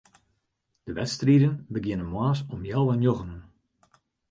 De wedstriden begjinne moarns om healwei njoggenen.